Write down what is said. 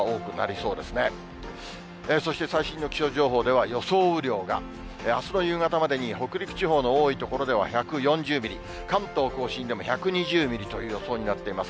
そして、最新の気象情報では、予想雨量が、あすの夕方までに北陸地方の多い所では１４０ミリ、関東甲信でも１２０ミリという予想になっています。